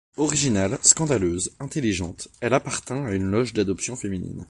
Originale, scandaleuse, intelligente, elle appartint à une loge d'adoption féminine.